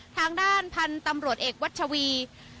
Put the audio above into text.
ทางด้านพันธุ์ตำรวจเอกวัชวี